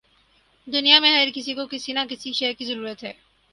دنیا میں ہر کسی کو کسی نہ کسی شے کی ضرورت ہے